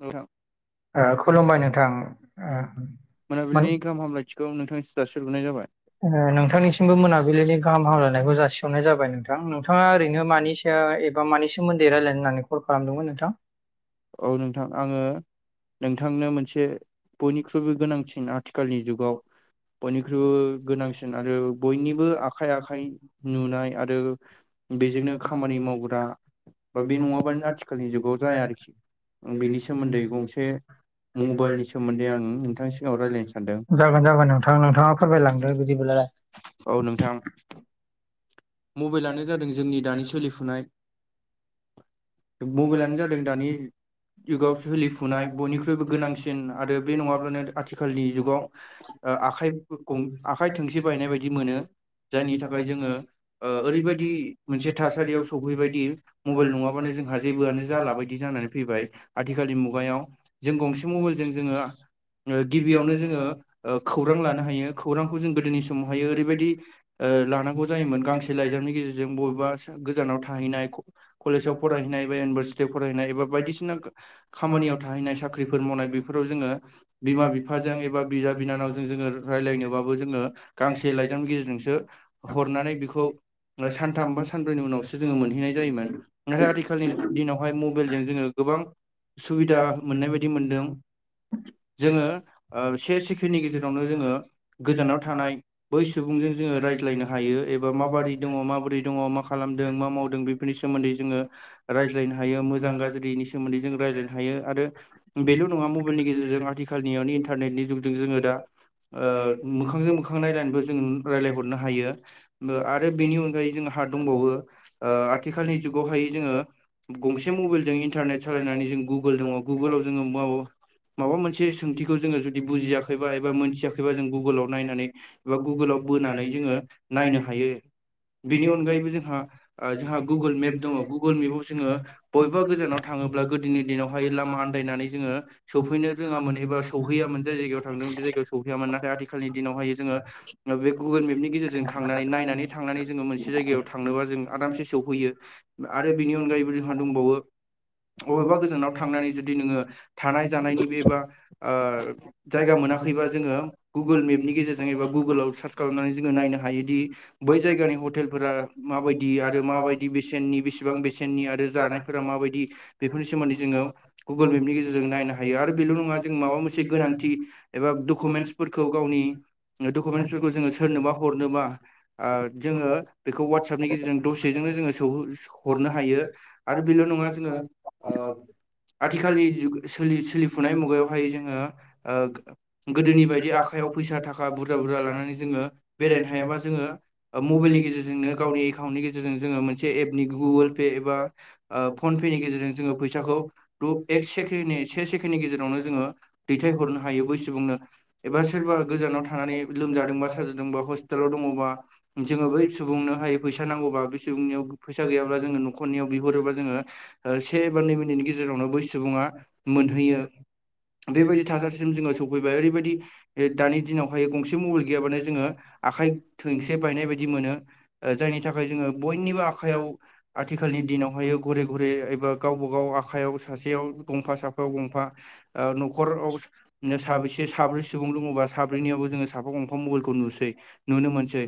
नोंथां। ओ खुलुमबाय नोंथां ओ मोन। बेखौ नोंथांनिसिम जासिहरगोरनाय जाबाय। ओ नोंथांनिसिमबो मोनाबिलिनि गाहाम हामलायनायखौ जासिहरनाय जाबाय नोंथां नोंथाङा ओरैनो मानि ओ एबा मानि सोमोन्दै रायलायनो होननानै कल खालामदोंमोन नोंथां। औ नोंथां आङो नोंथांनो मोनसे बयनिख्रुइबो गोनांसिन आथिखालनि जुगाव बयनिख्रुइबो गोनांसिन आरो बयनिबो आखाइ आखाइ नुनाय आरो बेजोंनो खामानि मावग्रा बा बे नङाबानो आथिखालनि जुगाव जाया आरोखि बिनि सोमोन्दै गंसे मबाइलनि सोमोन्दै आं नोंथांनि सिगाङाव रायलायनो सानदों। जागोन जागोन नोंथां नोंथाङा फोरमायलांदो बिदिबोलालाय औ नोंथां। मबाइलानो जादों जोंनि दानि सोलिफुनाय मबाइलानो जादों दानि जुगाव सोलिफुनाय बयनिख्रुइबो गोनांसिन आरो बे नङाब्लानो आथिखालनि जुगाव ओ आखाइ आखाय थोंसे बायनाय बादि मोनो जायनि थाखाय जोङो ओ ओरैबायदि मोनसे थासारियाव सफैबायदि मबाइल नङाबानो जोंहा जेबोआनो जाला बायदि जानानै फैबाय आथिखालनि मुगायाव जों गंसे मबाइलजों जोङो गिबियावनो जोङो ओ खौरां लानो हायो खौरांखौ जों गोदोनि समावहायो ओरैबायदि लानांगौ जायोमोन। गांसे लाइजामनि गेजेरजों बबेबा गोजानाव थाहैनाय कलेजाव फरायहैनाय बा इउनिभारसिटि फरायनाय एबा बायदिसिना खामानियाव थाहैनाय साख्रिफोर मावनाय बेफोराव जोङो बिमा बिफाजों एबा बिदा बिनानावजों जोङो रायज्लायनोबाबो जों गांसे लाइजामनि गेजेरजोंसो हरनानै बेखौ सानथाम बा सानब्रैनि उनावसो जोङो मोनहैनाय जायोमोन नाथाय आथिखालनि दिनावहाय मबाइलजों जोङो गोबां सुबिदा मोननाय बायदि मोनदों जोङो ओ से सेकेणडनि गेजेरावनो जोङो गोजानाव थानाय बै सुबुंजों जोङो रायज्लायनो हायो एबा माबोरै दङ माबोरै दङ मा खालामदों मा मावदों बेफोरनि सोमोन्दै जोङो रायज्लायनो हायो मोजां गाज्रिनि सोमोन्दै जों रायज्लायनो हायो आरो बेल' नङा मबाइलनि गेजेरजों आथिखालनियावनो इन्टारनेटनि जुगजों जोङो दा ओ मोखांजों मोखां नायलायनानैबो जों रायलायहरनो हायो आरो बेनि अनगायै जोंहा दंबावो आथिखालनि जुगावहाय जोङो गंसे मबाइलजों इन्टारनेट सालायनानै जों गुगोल दङ गुगोलाव जोङो माबा माबा मोनसे सोंथिखौ जोङो जुदि बुजियाखैबा एबा मोनथियाखैबा जों गु एबा गुगोलाव बोनानै जोङो नायनो हायो बेनि अनगायैबो जोंहा ओ जोंहा गुगोल मेप दङ गुगोल मेपाव जोङो बबेबा गोजानाव थाङोब्ला गोदोनि दिनावहाय लामा आन्दायनानै जोङो सौफैनो रोङामोन एबा सौहैयामोन जाय जायगायाव थांदों बे जायगायाव सहैयामोन नाथाय आथिखालनि दिनावहायो जोङो ओ बे गुगोल मेपनि गेजेरजों थांनानै नायनानै थांनानै जोङो मोनसे जायगायाव थांनोबा जों आरामसे सौहैयो आरो बिनि अनगायैबो जोंहा दंबावो अबेबा गोजानाव थांनानै जुदि नोङो थानाय जानायनि बेबा ओ जायगा मोनाखैबा जोङो गुगोल मेपनि गेजेरजों एबा गुगोलाव सार्च खालामनानै जोङो नायनो हायोदि बै जायगानि हटेलफोरा माबायदि आरो माबायदि बेसेननि बेसेबां बेसेननि आरो जानाय फोरा माबायदि बेफोरनि सोमोन्दै जोङो गुगोल मेपनि गेजेरजों नायनो हायो आरो बेल' नङा जों माबा मोनसे से गोनांथि एबा डकुमेन्सफोरखौ गावनि डकुमेन्सफोरखौ जोङो सोरनोबा हरनोबा ओ जोङो बेखौ वाट्सापनि गेजेरजों दसेजोंनो जोङो सौहै हरनो हायो आरो बेल' नङा जोङो ओ आथिखालनि जुग सोलि सोलिफुनाय मुगायावहाय जोङो ओ गोदोनि बायदि आखाइयाव फैसा थाखा बुरजा बुरजा लानानै जोङो बेरायनो हायाबा जोङो ओ मबाइलनि गेजेरजोंनो गावनि एकाउन्टनि गेजेरजों जोङो मोनसे एपनि गुगोल पे एबा ओ फन पेनि गेजेरजों जोङो फैसाखौ एक सेकेडनि से सेकेण्डनि गेजेरावनो जोङो दैथायहरनो हायो बै सुबुंनो एबा सोरबा गोजानाव थानानै लोमजादोंबा साजादोंबा हस्पिटालाव दङबा जोङो बै सुबुंनो हायो फैसा नांगौबा बै सुबुंनियाव फैसा गैयाब्ला जोङो न' खनियाव बिहरोबा जोङो से बा नै मिनिटनि गेजेरावनो बै सुबुङा मोनहैयो बेबायदि थासारिसिम जोङो सौफैबाय ओरैबायदि दानि दिनावहाय गंसे मबाइल गैयाबानो जोङो आखाइ थोंसे बायनाय बायदि मोनो ओ जायनि थाखाय जोङो बयनिबो आखाइयाव आथिखालनि दिनावहायो घरे घरे एबा गावबा गाव आखायाव सासेयाव गंफा साफायाव गंफा ओ न'खराव साबैसे साब्रै सुबुं दं साब्रैनियावबो जोङो साफा गंफां मबाइलखौ नुसै नुनो मोनसै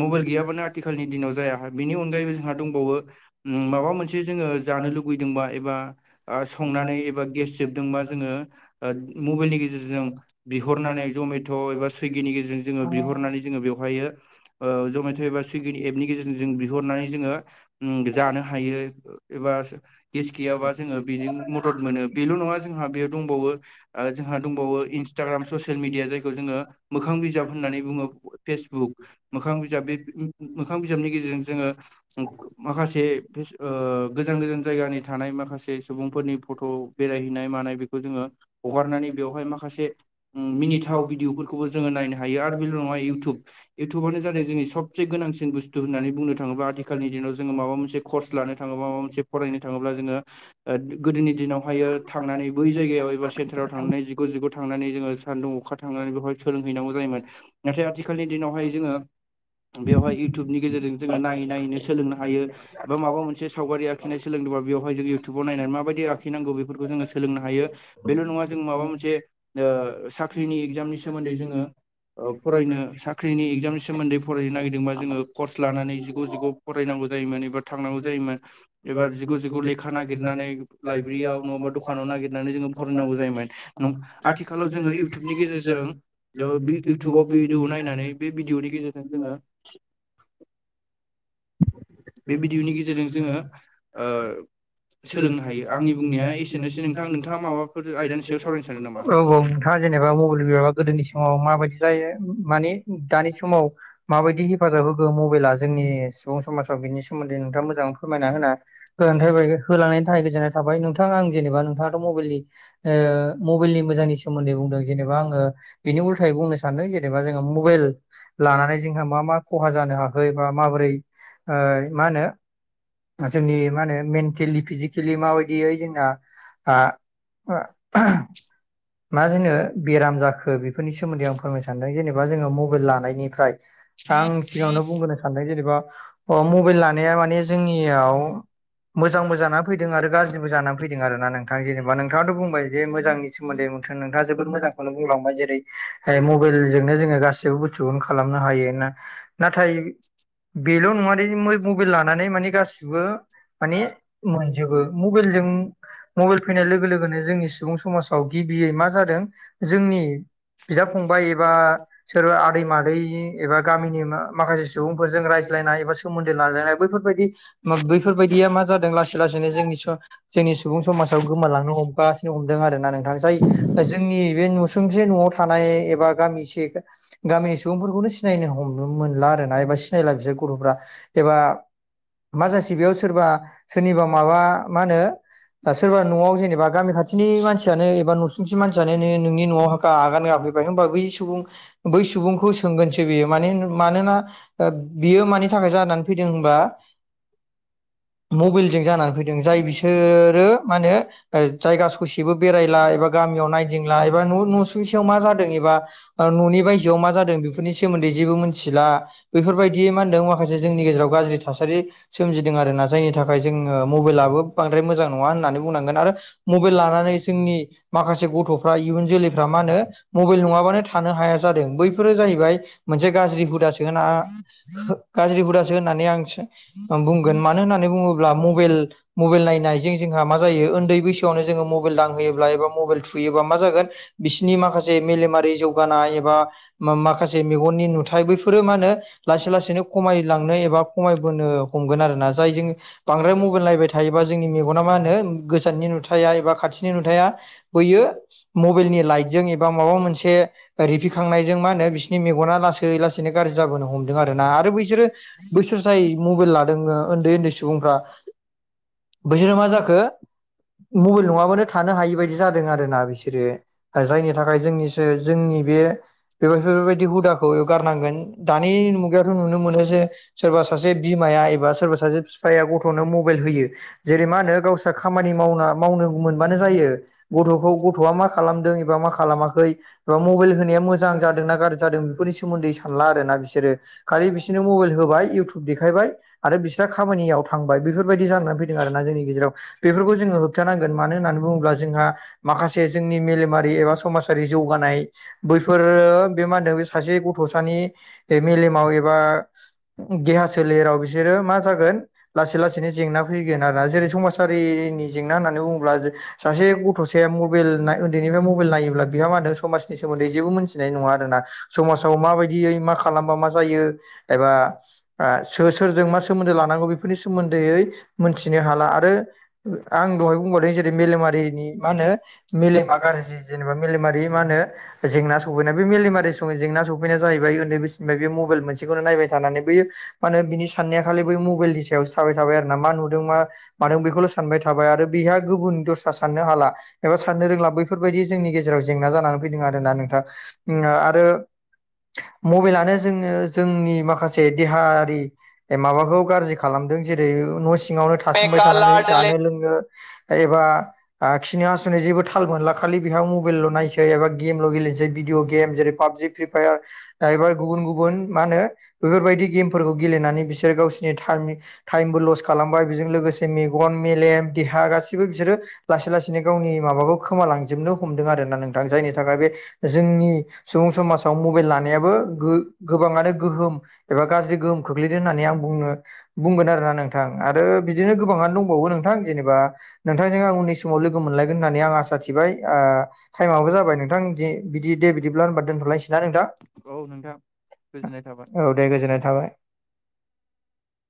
मबाइल गैयाबानो आथिखालनि दिनाव जाया बेनि अनगायैबो जोंहा दंबावो उम माबा मोनसे जोङो जानो लुुगैदोंबा एबा आ संनानै एबा गेस जोबदोंबा जोङो ओ मबाइलनि गेजेरजों बिहरनानै जमेट' एबा स्यिगिनि गेजेरजों जोङो बिहरनानै जोङो बेयाव हायो ओ जमेट' एबा सुइगि एपनि गेजेरजों जों बिहरनानै जोङो उम जानो हायो। एबा गेस गैयाबा जोङो बेजों मदद मोनो बेल' नङा जोंहा बेयो दंबावो आरो जोंहा दंबावो इनस्टाग्राम ससियेल मिडिया जायखौ जोङो मोखां बिजाब होननानै बुङो फेस मोखां बिजाब बे मोखां बिजाबनि गेजेरजों जोङो माखासे फेस ओ गोजान गोजान जायगानि था थानाय माखासे सुबुंफोरनि फट' बेरायहैनाय मानाय बेखौ जोङो हगारनानै बेवहाय माखासे मिनिथाव भिदिअफोरखौबो जोङो नायनो हायो आरो बेल' नङा इउटुब इउथटुबानो जादों जोंनि सबसे गोनांसिन बुस्थु होननानै बुंनो थाङोबा आथिखालनि दिनाव जोङो माबा मोनसे कर्स लानो थाङोब्ला माबा मोनसे फरायनो थाङोब्ला जोङो ओ गोदोनि दिनावहायो थांनानै बै जायगायाव एबा सेन्टाराव थांनानै जिग' जिग' थांनानै जोङो सानदुं अखा थांनानै बेवहाय सोलों हैनांगौ जायोमोन नाथाय आथिखालनि बहाय जोङो बेवहाय इयउटुबनि गेजेरजों जोङो नायै नायैनो सोलोंनो हायो एबा माबा मोनसे सावगारि आ खिनाय सोलोंदोंबा बेवहाय जों इउटुबाव नायनानै माबायदि आखिनांगौ बेफोरखौ जोङो सोलोंनो हायो बेल' नङा जों माबा मोनसे ओ साख्रिनि एगजामनि सोमोन्दै जोङो ओ फरायनो सा क्रिनि एगजामनि सोमोन्दै फरायनो नागिरदोंबा जोङो कर्स लानानै जिग' जिग' फरायनांगौ जायोमोन एबा थांनांगौ जायोमोन एबार जिग' जिग' लेखा नागिरनानै लाइब्रेरियाव नङाबा दखानाव नागिरनानै जोङो फरायनांगौ जायोमोन नं आथिखालाव जोङो इउटुब भिडिअ नायनानै [inaudible] बे भिडिय'नि गेजेरजों जोङो बे भिडिय'नि गेजेरजों जोङो ओ सोलोंनो हायो आंनि बुंनाया एसेनोसै नोंथां नोंथाङा माबाफोर आयदानि सायाव सावरायनो सानदों नामा औ औ नोंथाङा जेनेबा मबाइल गयाबा गोदोनि समाव माबायदि जायो मानिे दानि समाव माबायदि हेफाजाब होगोन मबाइला जोंनि सुबुं समाजाव बिनि सोमोन्दै नोंथाङा मोजाङ फोरमायना होना फोरथाइ बाय होलांनायनि थाखाय गोजोननाय थाबाय नोंथाङा आं जेनेबा नोंथाङाथ' मबाइलनि ओ मबाइलनि मोजांनि सोमोन्दै बुंदों जेनेबा आङो बिनि उल्थायै बुंनो सानदों जेनेबा जोङो मबाइल लानानै जोंहा मा मा खहा जानो हाखो बा माबोरै मा होनो जोंनि मा होनो मेन्टेलि फिजिक एक्सुलि माबायदियै जोंना आ [unintelligible] मा जोङो बेराम जाखो बेफोरनि सोमोन्दै आं फोरमनो सानदों जेनेबा जोङो मबाइल लानायनिफ्राय आं सिगाङावनो बुंबोनो सानदों जेनेबा अ मबाइल लानाया माने जोंनियाव मोजांबो जानानानै फैदों आरो गाज्रिबो जानानानै फैदों आरोना नोंथां जेनेबा नोंथाङाथ' बुंबाय जे मोजां सोमोन्दै नोंथाङा जोबोर मोजांखौनो बुंलांबाय जेरै मबाइलजोंनो जोङो गासै आवबो सुबुन खालामनो हायो ना नाथाय [inaudible] बेल' नङाद मबाइल लानानै मानि गासिबो माने मोनजोबो मबाइलजों मबाइल फैनाय लोगो लोगोनो जोंनि सुबुं समाज गिबियै मा जादों जोंनि बिदा फंबाय एबा सोरबा आदै मादै एबा गामिनि माखासे सुबुंफोरजों रायज्लायनाय एबा सोमोन्दो लालायनाय बैफोरबायाददि बैफोरबायदिया मा जादों लासै ए लासैनो जोंनि जोंनि सुबुं समाजाव गोमालांनो हमगासिनो हमदों आर ना नों जाय जोंनि बे नुसुंसे न'आव थानाय एबा गामिसे गामिनि सुबुंफोरखौनो सिनायनो हमनो मोनला आर ना एबा सिनायला बिसोर गथ'फ्रा एबा मा जासे बेयाव सोरबा सोरनिबा माबा मा होनो दा सोरबा न'आव जेनेबा गामि खाथिनि मानसि एबा न'सुंसे मानसि जानाय नोंनि न'आव ह आगान होफैबाय हबा बै सुबुं बै सुबुंखौ सोंगोन बियो म मानोना बियो मानि थाखाय जानानै फैदों होनबा मबाइलजों जानानै फैदों जाय बिसोरो मा होनो जायगा ससेबो जायला एबा गामियाव नायदिं ब्ला एबा न'न' न' सिङाव माजादोंनि एबा न' नि बायजोआव मा जादोंनि बेफोरनि सोमोन्दो जेबो मोन मिथिला बेफोरबायदि मा होनदों माखासे जोंनि गेजेराव गाज्रि थासारि सोमजिदों आरो ना जायनि थाखाय जोङो मबाइलाबो बांद्राय मोजां नङा होननानै बुंनांगोन आरो मबाइल लानानै जोंनि माखासे गथ'फ्रा इयुन जोलैफ्रा मा होनो मबाइल नङाबानो थानो हाया जादों बैफोरो जाहैबाय मोनसे गाज्रि हुदासो होना गाज्रि हुदासो होननानै आं बुंगोन मानो होननानै बुङोब्ला म मबाइल नायनायजों। जोंहा मा जायो उन्दै बैसोआवनो जोङो मबाइल दांहोयोब्ला एबा मबाइल थुयोबा मा जागोन। बिसोरनि माखासे मेलेमारि जौगानाय एबा। माखासे मेगननि नुथायाइ बैफोरो मा होनो लासै लासैनो। खायलांनो एबा खमायबोनो हमगोन आरोना जाय जों बांद्राय मबाइल नायबाय थायो। थायोबा जोंनि मेगना मा होनो गोजाननि नुथाया एबा खाथिनि नुथाया। बैयो मबाइलनि लाइटजों एबा माबा मोनसे रिफिखांनायजों मा होनो बि मे लाै लासै गाज जो हमदों आरोना आरो बैसोरो बोसोर जायै मा ल उन्दै उन्दै सुबुंफ्रा बिसोरो मा जाखो मबाइल नङाबानो थानो हायि बायदि जादों आरोोना बिसोरो। जायनि थाखाय जोंनिसो जोंनि बे बे बेफोरबायदि हुदाखौ गारनांगोन। दानि मुगायावथ' नुनो मोनो जे सोरबा सासे बिमाया एबा सोरबा सासे बिफाया गथ'नो मबाइल होयो जेरै मा होनो गावसोर। फसा खामानि मावना मावनो मोनबानो जायो। गथ'खौ गथ'आ मा खालामदों एबा मा खालामाखै एबा मबाइल होनाया मोजां। मोजां जादों ना गाज्रि जादों बेफोरनि सोमोन्दै सानला आरोना बिसोरो। खालि बिसोरनो मबाइल होबाय इउटुब देखायबाय आरो बिस्रा खामानियावथ'। थांबाय बेफोरबायदि जानानै फैदों आरोना जोंनि गेजेराव बेफोरखौ जोङो होबथानांगोन। मानो होननानै बुङोब्ला जोंहा माखासे जोंनि मेलेमारि एबा समाजारि जौगानाय। बैफोरो बे मा होनदों बे सासे गथ'सानि मेलेमाव एबा देहा सोलेराव बिसोरो मा जागोन लासै लासैनो जेंनाखौ। फैोन आरोा जेरै समाजारिनि जेंना होननानै बुङोब सासे गथ' ज मबाइलनाय उन्दैनिफ्राय मबाइल नायोब्ला बिहा मा होनदों समनिोमोन्दै जेबो मोनथिनाय नङा आरोना। समाजाव माबायदियै मा खालामबा मा जायो एबा। सोर सोरजों मा सोमोन्दो लानांगौ बेफोरनि सोमोन्दैयै मोनथिनो हाला आरो आं दहाय बुंबाद मेलेमारिनि मा होनो मेलेमा गाज्रि जेनेबा मेलेमारि मा होनो। जेंना सफैना बे मेलेमारि सोजाना सै ना जाहैबाय उन्दै बनिफ्राय बे मबाइल मोनसेखौनो नायबाय थानानै बयो मान होन बिनि साननाया खालि बै मबाइलनि सायावसो थाबाय थाबाय आरो ना मा नुदों मा? मानो बेखौल' सानबाय थाबाय आरो बिहा दस्रा साननो हाला एबा साननो रोंला बैफोरबायदि जोंनि गेजेराव जेंना जानानै फैदों आरोना नोंथाङा। आरो मबाइेलानो जोङो जोंनि माखासे। से देहायारि माबाखौ गाज्रि खालामदों जेरै न' सिङावनो थासोमबाय थानानै जानो लोंनो एबा खिनि हासुनाय जेबो थाल मोनला खालि बेयावाव मबाइल' नायनोसैबा गेमल' गेलेनोसै भिडिअ' गेम जेरै पाबजि फ्रिफायार एबा गुबुन गुबुन मा होनो बेफोरबायदि गेमफोरखौ गेलेनानै बिसोर गावसिरनि टाइमि टाइमबो लस्ट खालामबाय बेजों लोगोसे मेगन मेलेम देहा गासिबो गबो बिसोरो लासै लासैनो गावनि माबाखौ खोमालांजोबनो हमदों आरोना नोंथां जायनि थाखाय बे जोंनि सुबुं समाजाव मबाइल लानायाबो गोबाङानो गोहोम एबा गाज्रि गोहोम खोख्लैदों होननानै आं बुंनो। बुंगोन आरो ना नोंथां आरो बिदिनो गोबाङानो दंबावो नोंथां जेनेबा। नोंथांजों आं उननि समाव लोगो मोनलायगोन होननानै आं आसा थिबाय टाइमाबबो जाबाय नोंथां बिदि दे बिदिब्ला होनबा दोनथ'लनोसै ना नोंथां। औ नोंथां गोजोननाय थाबाय। औ दे गोजोननाय थाबाय